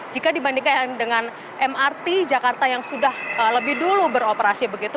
jika dibandingkan dengan mrt jakarta yang sudah lebih dulu beroperasi begitu